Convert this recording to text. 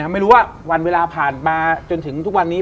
ไม่รู้ว่าวันเวลาผ่านมาจนถึงทุกวันนี้